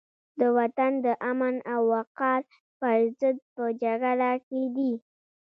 د وطن د امن او وقار پرضد په جګړه کې دي.